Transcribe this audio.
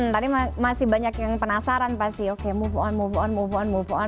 tadi masih banyak yang penasaran pasti oke move on move on move on move on